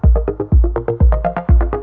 apa yang harus mama lakukan